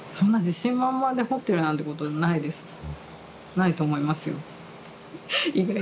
ないと思いますよ。